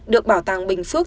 được bảo tàng bình phước